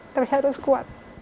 terus harus kuat